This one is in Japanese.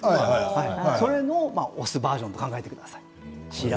そのお酢バージョンと考えてください。